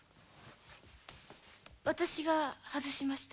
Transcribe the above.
私が外しました。